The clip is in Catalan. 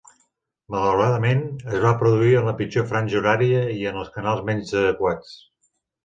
Malauradament, es va produir en la pitjor franja horària i en els canals menys adequats.